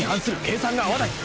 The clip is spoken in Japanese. ［計算が合わない］